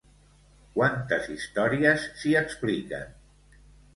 Quantes històries s'hi expliquen?